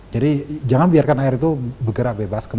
jadi jangan biarkan air itu bergerak bebas